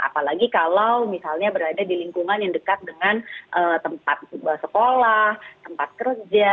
apalagi kalau misalnya berada di lingkungan yang dekat dengan tempat sekolah tempat kerja